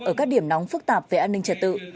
ở các điểm nóng phức tạp về an ninh trật tự